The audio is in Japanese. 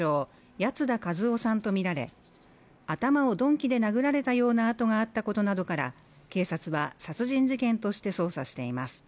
八ツ田和夫さんとみられ頭を鈍器で殴られたような痕があったことなどから警察は殺人事件として捜査しています